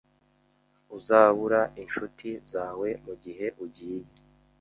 Uzabura inshuti zawe mugihe ugiye